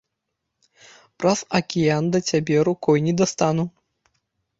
Праз акіян да цябе рукой не дастану.